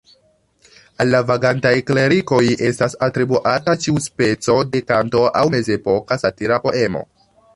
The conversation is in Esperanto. Al la "vagantaj klerikoj" estas atribuata ĉiu speco de kanto aŭ mezepoka satira poemo.